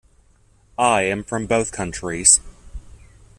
I am from both countries.